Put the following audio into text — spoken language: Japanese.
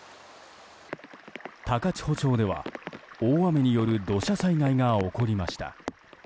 高千穂町では大雨による土砂災害が起こりました。